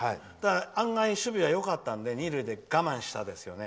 案外、守備がよかったので２塁で我慢しましたよね。